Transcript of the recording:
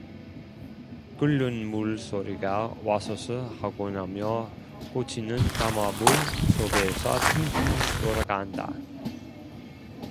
끓는 물 소리가 와스스 하고나며 고치는 가마 물 속에서 핑핑 돌아간다.